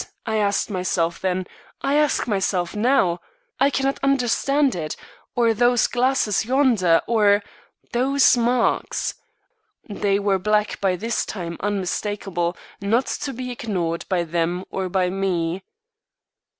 I asked myself then I ask myself now. I cannot understand it or those glasses yonder or those marks!" They were black by this time unmistakable not to be ignored by them or by me.